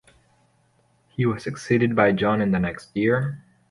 He was succeeded by John in the next year.